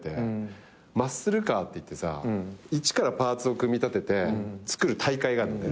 マッスルカーっていって一からパーツを組み立てて造る大会があるのね。